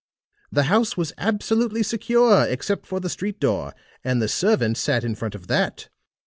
The house was absolutely secure, except for the street door, and the servant sat in front of that.